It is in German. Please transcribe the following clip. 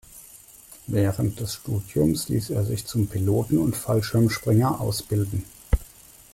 Während des Studiums ließ er sich zum Piloten und Fallschirmspringer ausbilden.